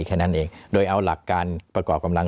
แค่นั้นเองโดยเอาหลักการประกอบกำลัง